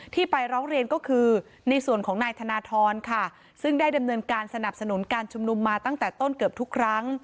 ไปร้องเรียนก็คือในส่วนของนายธนทรค่ะซึ่งได้ดำเนินการสนับสนุนการชุมนุมมาตั้งแต่ต้นเกือบทุกครั้ง